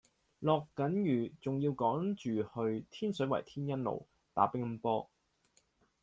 落緊雨仲要趕住去天水圍天恩路打乒乓波